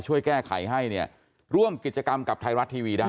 ช่วยแก้ไขให้เนี่ยร่วมกิจกรรมกับไทยรัฐทีวีได้